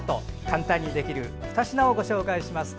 簡単にできる２品をご紹介します。